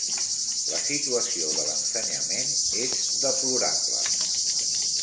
La situació de l'ensenyament és deplorable.